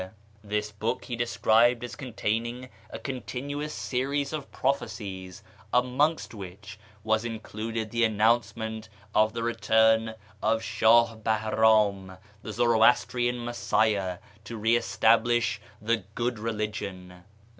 This book he described as contain ing a continuous series of prophecies, amongst which was included the announcement of the return of Shuh Bahrum, the Zoroastrian Messiah, to re establish "the Good Eeligion."